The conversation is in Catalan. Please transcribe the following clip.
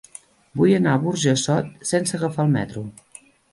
Vull anar a Burjassot sense agafar el metro.